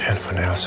oh aneh juga